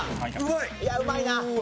いやうまいな。